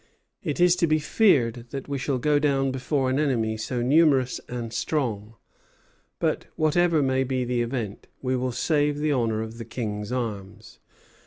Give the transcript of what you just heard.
It is to be feared that we shall go down before an enemy so numerous and strong; but, whatever may be the event, we will save the honor of the King's arms.